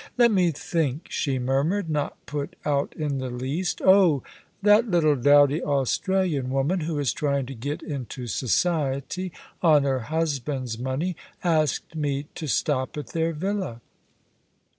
"Let me think," she murmured, not put out in the least. "Oh, that little dowdy Australian woman, who is trying to get into society on her husband's money, asked me to stop at their villa."